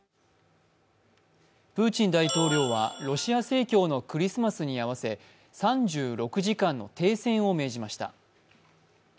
プーチン大統領はロシア正教のクリスマスに合わせ、３６時間の停戦を命じました。